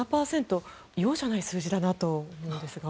容赦ない数字だなと思うんですが。